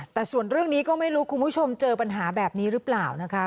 แต่ส่วนเรื่องนี้ก็ไม่รู้คุณผู้ชมเจอปัญหาแบบนี้หรือเปล่านะคะ